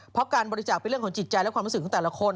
เพราะการบริจาคเป็นเรื่องของจิตใจและความรู้สึกของแต่ละคน